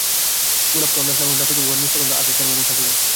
গোলাপকে অন্য এক নামেও ডাকিলেও উহার মিষ্ট গন্ধ আগেকার মতই থাকিবে।